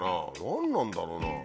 何なんだろうな？